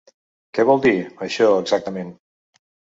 Què vol dir, això, exactament?